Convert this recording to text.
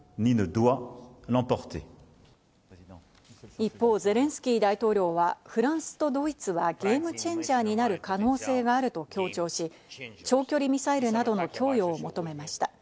一方、ゼレンスキー大統領はフランスとドイツはゲームチェンジャーになる可能性があると強調し、長距離ミサイルなどの供与を求めました。